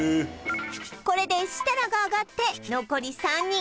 これで設楽があがって残り３人